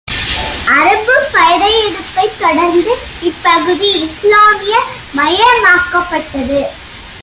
அரபு படையெடுப்பைத் தொடர்ந்து இப்பகுதி இஸ்லாமிய மயமாக்கப்பட்டது.